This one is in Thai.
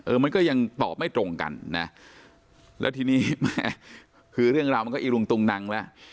มันก็ยังตอบไม่ตรงกันนะแล้วทีนี้แม่คือเรื่องราวมันก็อีลุงตุงนังแล้ว